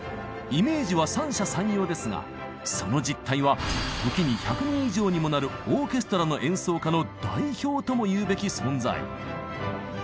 イメージは三者三様ですがその実態は時に１００人以上にもなるオーケストラの演奏家の代表ともいうべき存在。